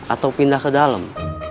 atau pindah kedalam